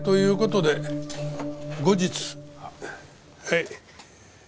はい。